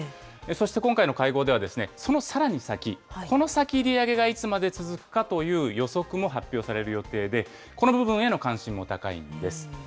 そして今回の会合では、そのさらに先、この先、利上げがいつまで続くかという予測も発表される予定で、この部分への関心も高いんです。